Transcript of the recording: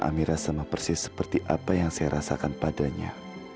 amira sama persis seperti apa yang saya rasakan padanya